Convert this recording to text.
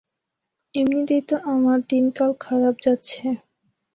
এমনিতেই তো আমার দিনকাল খারাপ যাচ্ছে।